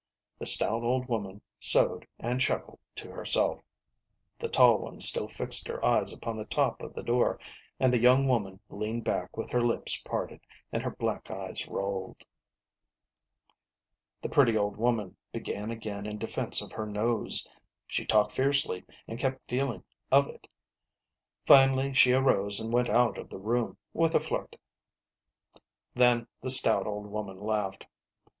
The stout old woman sewed and chuckled to herself, the tall one still fixed her eyes upon the top of the door, and the young woman leaned back with her lips parted, and her black eyes rolled. The pretty old woman began again in defence of her nose ; she talked fiercely, and kept feeling of it. Finally she arose and went out of the room with a flirt. Then the stout old woman laughed.